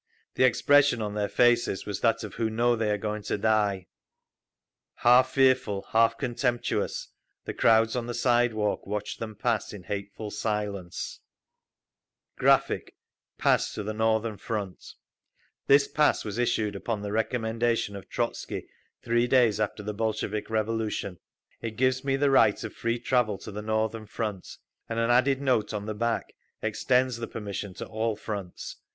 The expression on their faces was that of who know they are going to die…. Half fearful, half contemptuous, the crowds on the sidewalk watched them pass, in hateful silence…. [Graphic, page 184: Pass to the Northern Front] This pass was issued upon the recommendation of Trotzky three days after the Bolshevik Revolution. It gives me the right of free travel to the Northern front—and an added note on the back extends the permission to all fronts.